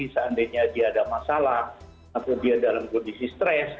seandainya dia ada masalah atau dia dalam kondisi stres